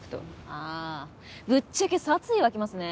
ああぶっちゃけ殺意湧きますね。